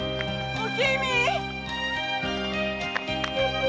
おきみ！